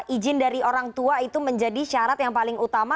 izin dari orang tua itu menjadi syarat yang paling utama